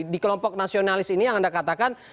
di kelompok nasionalis ini yang anda katakan